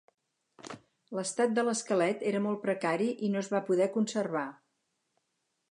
L'estat de l'esquelet era molt precari i no es va poder conservar.